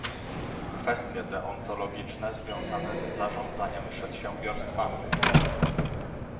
Kwestie deontologiczne związane z zarządzaniem przedsiębiorstwami